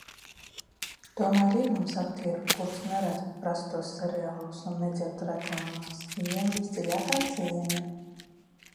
Tomēr ir mums aktieri, kurus neredz prastos seriālos un nedzird reklāmās. Viņiem visdziļākā cieņa.